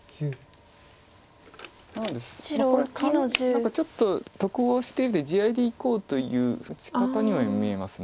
何かちょっと得をして地合いでいこうという打ち方には見えます。